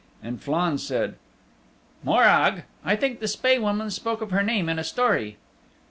And Flann said, "Morag! I think the Spae Woman spoke of her name in a story."